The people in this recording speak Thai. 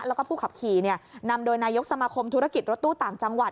แล้วก็ผู้ขับขี่นำโดยนายกสมาคมธุรกิจรถตู้ต่างจังหวัด